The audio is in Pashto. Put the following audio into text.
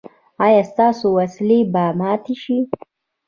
ایا ستاسو وسلې به ماتې شي؟